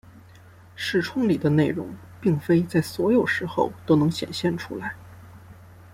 视窗里的内容并非在所有时候都能显示出来。